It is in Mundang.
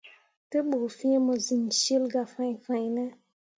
Te ɓu fĩĩ mo siŋ cil gah fãi fãine.